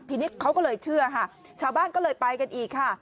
ทีนี้เขาก็เลยเชื่อค่ะชาวบ้านก็เลยไปกันอีกค่ะ